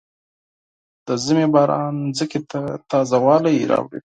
د ژمي باران ځمکې ته تازه والی راوړي.